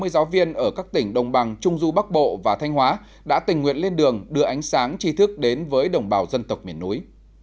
sáu mươi giáo viên ở các tỉnh đồng bằng trung du bắc bộ và thanh hóa đã tình nguyện lên đường đưa ánh sáng chi thức đến với đồng bào dân tộc miền núi